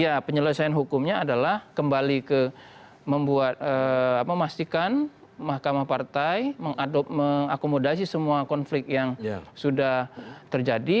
ya penyelesaian hukumnya adalah kembali ke memastikan mahkamah partai mengakomodasi semua konflik yang sudah terjadi